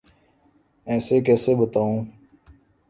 ایسے کیسے بتاؤں؟